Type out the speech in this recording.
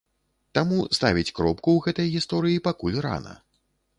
Таму ставіць кропку ў гэтай гісторыі пакуль рана.